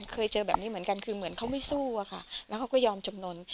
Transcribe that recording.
เคยเจอแบบนี้เหมือนกันคือเหมือนเขาไม่สู้อะค่ะแล้วเขาก็ยอมจำนวน